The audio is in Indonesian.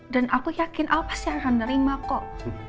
dan aku yakin a pasti akan nerima kok